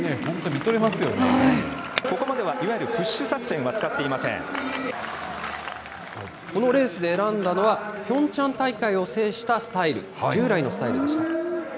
ここまではいわゆるプッシュこのレースで選んだのは、ピョンチャン大会を制したスタイル、従来のスタイルでした。